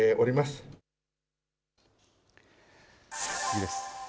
次です。